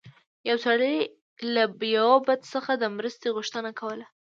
یو سړي له یو بت څخه د مرستې غوښتنه کوله.